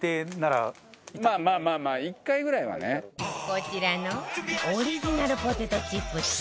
こちらのオリジナルポテトチップス